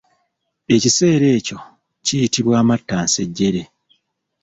Ekiseera ekyo kiyitibwa amattansejjere.